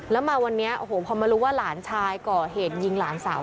แล้วมาวันนี้โอ้โหพอมารู้ว่าหลานชายก่อเหตุยิงหลานสาว